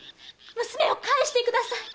娘を返してください！